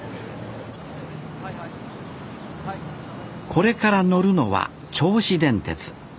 これから乗るのは銚子電鉄。